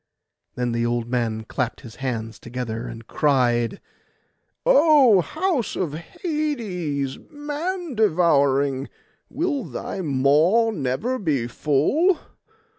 Then the old man clapped his hands together and cried— 'O house of Hades, man devouring! will thy maw never be full?